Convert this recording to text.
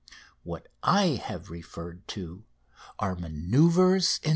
What I have referred to are manoeuvres in the air.